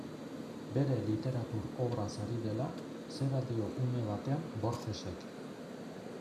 Bere literatur obraz ari dela, zera dio une batean Borgesek.